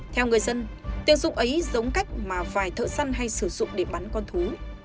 theo người dân tiếng súng ấy giống cách mà vài thợ săn hay sử dụng để bắn con thú